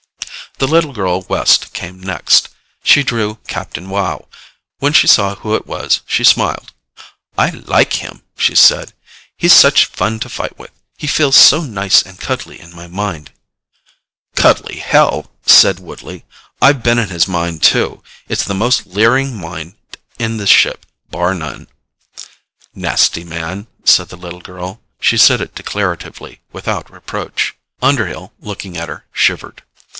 The little girl West came next. She drew Captain Wow. When she saw who it was, she smiled. "I like him," she said. "He's such fun to fight with. He feels so nice and cuddly in my mind." "Cuddly, hell," said Woodley. "I've been in his mind, too. It's the most leering mind in this ship, bar none." "Nasty man," said the little girl. She said it declaratively, without reproach. Underhill, looking at her, shivered.